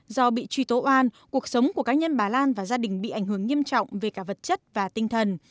do bị truy tố oan cuộc sống của cá nhân bà lan và gia đình bị ảnh hưởng nghiêm trọng về cả vật chất và tinh thần